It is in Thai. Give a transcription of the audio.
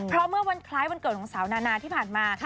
เพราะเมื่อวันคล้ายวันเกิดของสาวนานาที่ผ่านมา